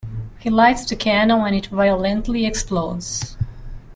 He lights the cannon and it violently explodes.